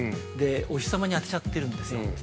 お日様に当てちゃってるんですよ。